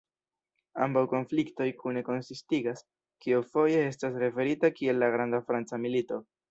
Ambaŭ konfliktoj kune konsistigas kio foje estas referita kiel la "'Granda Franca Milito'".